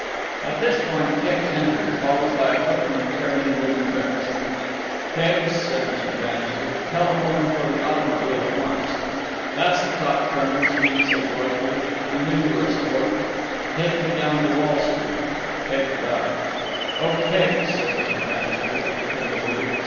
At this point Keggs entered, followed by a footman carrying wooden bricks. "Keggs," said Mr. Bannister, "telephone for the automobile at once—" "That's the talk, colonel," cried Steve joyfully. "I know you were a sport." "——to take me down to Wall Street." Keggs bowed. "Oh Keggs," said Mr. Bannister, as he turned to leave.